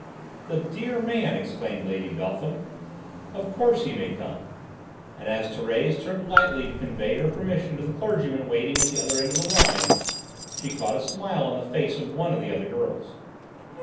"The dear man!" exclaimed Lady Beltham; "of course he may come," and as Thérèse turned lightly to convey her permission to the clergyman waiting at the other end of the line, she caught a smile on the face of one of the other girls.